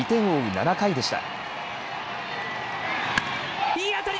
７回でした。